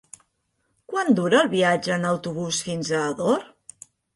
Quant dura el viatge en autobús fins a Ador?